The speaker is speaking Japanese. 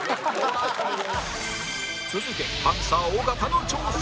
続いてパンサー尾形の挑戦